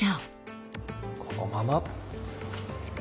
このまま。